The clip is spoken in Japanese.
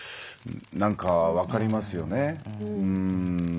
なんか、分かりますよね。